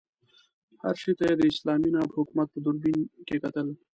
هر شي ته یې د اسلامي ناب حکومت په دوربین کې کتل.